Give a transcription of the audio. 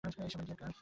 এসব আইডিয়া কার?